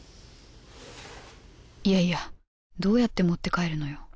いやいやどうやって持って帰るのよ